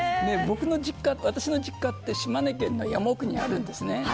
私の実家は島根県の山奥にあるんです。